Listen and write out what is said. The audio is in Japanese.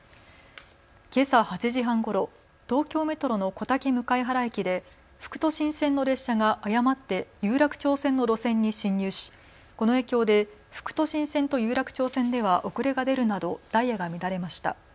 けさ８時半ごろ東京メトロの小竹向原駅で副都心線の列車が誤って有楽町線の路線に進入しこの影響で副都心線と有楽町線では遅れが出るなどダイヤが乱れました。